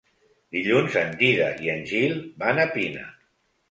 Dilluns en Dídac i en Gil van a Pina.